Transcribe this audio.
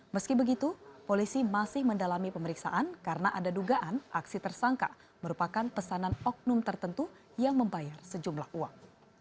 meski begitu polisi masih mendalami pemeriksaan karena ada dugaan aksi tersangka merupakan pesanan oknum tertentu yang membayar sejumlah uang